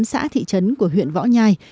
các thị trấn của huyện võ nhai